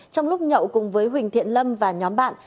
trong lúc nhậu cùng với huỳnh thiện lâm và nhóm bạn